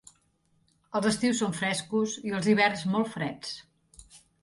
Els estius són frescos i els hiverns molt freds.